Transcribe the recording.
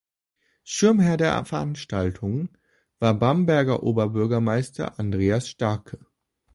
Schirmherr der Veranstaltung war der Bamberger Oberbürgermeister Andreas Starke.